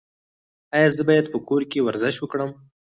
ایا زه باید په کور کې ورزش وکړم؟